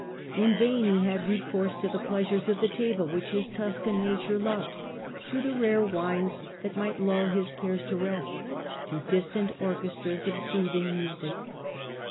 In vain he had recourse to the plea sures of the table which his Tuscan nature loved, to the rare wines that might lull his cares to rest, to distant orchestras of soothing music.